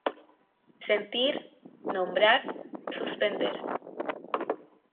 Sentir, nombrar, suspender.